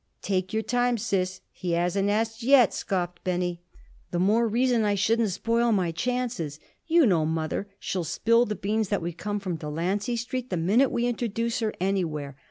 "Take your time, Sis. He hasn't asked yet," scoffed Benny. "The more reason I shouldn't spoil my chances. You know mother. She'll spill the beans that we come from Delancey Street the minute we introduce her anywhere.